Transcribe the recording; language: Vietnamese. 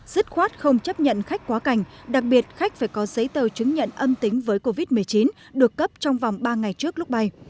dứt khoát không chấp nhận khách quá cảnh đặc biệt khách phải có giấy tờ chứng nhận âm tính với covid một mươi chín được cấp trong vòng ba ngày trước lúc bay